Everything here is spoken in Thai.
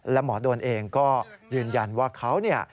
และหมอโดนเองก็ยืนยันว่าเขาเนี่ย